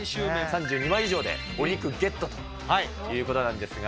３２枚以上でお肉ゲットということなんですが。